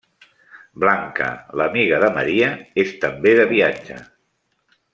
Blanca, l'amiga de Maria, és també de viatge.